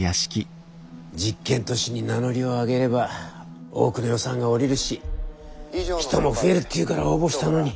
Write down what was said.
実験都市に名乗りを上げれば多くの予算がおりるし人も増えるっていうから応募したのに。